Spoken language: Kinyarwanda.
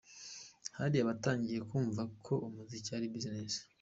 Hari abatangiye kumva ko umuziki ari business.